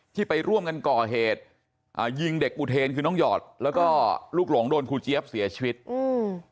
ไปร่วมกันก่อเหตุอ่ายิงเด็กอุเทนคือน้องหยอดแล้วก็ลูกหลงโดนครูเจี๊ยบเสียชีวิตอืม